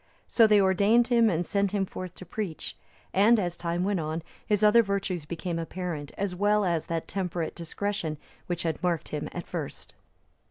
So they ordained him and sent him forth to preach; and, as time went on, his other virtues became apparent, as well as that temperate discretion which had marked him at first.